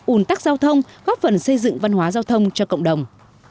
ủn tắc giao thông góp phần xây dựng văn hóa giao thông cho cộng đồng